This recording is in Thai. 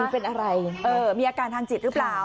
เป็นอะไรมีอาการทางจิตหรือเปล่า